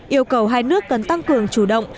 yêu cầu hai nước cần tăng cường chủ động